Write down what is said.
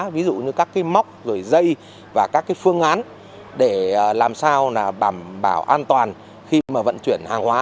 ví dụ như các móc dây và các phương án để làm sao bảo an toàn khi vận chuyển hàng hóa